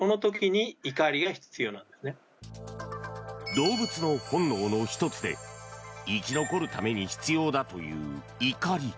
動物の本能の１つで生き残るために必要だという怒り。